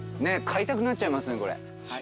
買いたくなっちゃいますねこれ。